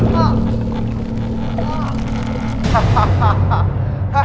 ฮ่า